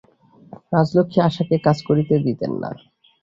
রাজলক্ষ্মী আশাকে কাজ করিতে দিতেন না।